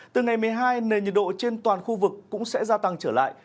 từ ngày một mươi hai nền nhiệt độ trên toàn khu vực cũng sẽ gia tăng trở lại